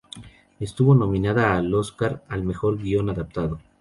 Estuvo nominada al Óscar al mejor guion adaptado.